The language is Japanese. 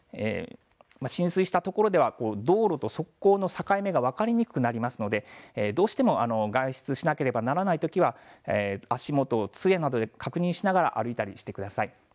浸水したところでは道路と側溝の境目が分かりにくくなりますので、どうしても外出しなければならないときは足元をつえなどで確認しながら歩いたりしてください。